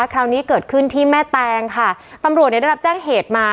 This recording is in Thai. คราวนี้เกิดขึ้นที่แม่แตงค่ะตำรวจเนี่ยได้รับแจ้งเหตุมา